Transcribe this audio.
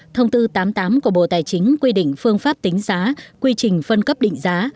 thông tư tám mươi tám của bộ tài chính quy định phương pháp tính giá quy trình phân cấp định giá